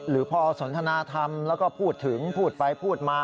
หรือพอสนทนาธรรมแล้วก็พูดถึงพูดไปพูดมา